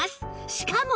しかも